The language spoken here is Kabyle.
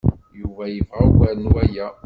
Yuba yebɣa ugar n waya.